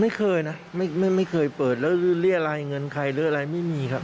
ไม่เคยนะไม่เคยเปิดแล้วเรียรายเงินใครหรืออะไรไม่มีครับ